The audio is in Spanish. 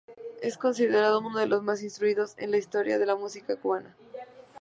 Es considerado uno de los más instruidos en historia de la música cubana.